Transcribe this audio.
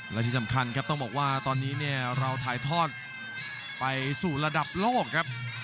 และที่สำคัญครับต้องบอกว่าตอนนี้เนี่ยเราถ่ายทอดไปสู่ระดับโลกครับ